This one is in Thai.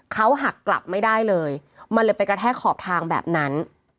เขาหักกลับไม่ได้เลยมันเลยไปกระแทกขอบทางแบบนั้น